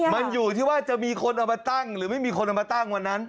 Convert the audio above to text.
มันอยู่ที่ว่าจะมีคนเอามาตั้งหรือไม่มีคนเอามาตั้งวันนั้น